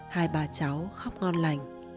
hai bà cháu khóc ngon lành